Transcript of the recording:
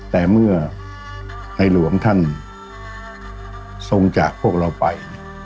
แต่เมื่อในหลวงท่านทรงจากพวกเราไป